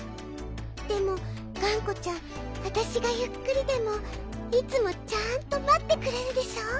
でもがんこちゃんわたしがゆっくりでもいつもちゃんとまってくれるでしょ。